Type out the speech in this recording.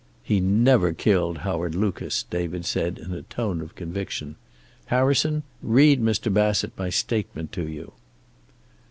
"He never killed Howard Lucas," David said, in a tone of conviction. "Harrison, read Mr. Bassett my statement to you."